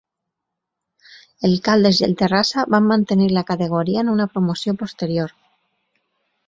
El Caldes i el Terrassa van mantenir la categoria en una promoció posterior.